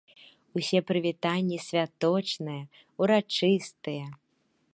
Усе прывітанні святочныя, урачыстыя.